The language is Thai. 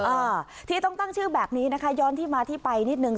อ่าที่ต้องตั้งชื่อแบบนี้นะคะย้อนที่มาที่ไปนิดนึง